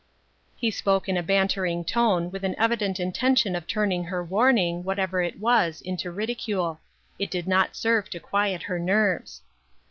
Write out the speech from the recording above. " He spoke in a bantering tone, with an evident intention of turning her warning, whatever it was, into ridicule. It did not serve to quiet her nerves.